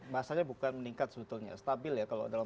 masanya bukan meningkat sebetulnya stabil ya